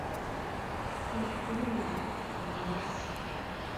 Ҡыҙыҡ түгел инде, ҡыҙғаныс